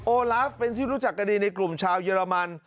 ลาฟเป็นที่รู้จักกันดีในกลุ่มชาวเยอรมัน